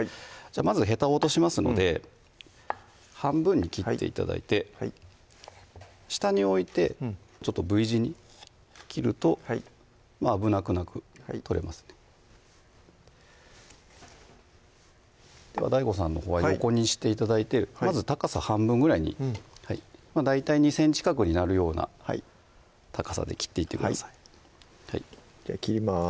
まずヘタを落としますので半分に切って頂いてはい下に置いてＶ字に切ると危なくなく取れますねではＤＡＩＧＯさんのほうは横にして頂いてまず高さ半分ぐらいに大体２ｃｍ角になるような高さで切っていってくださいじゃあ切ります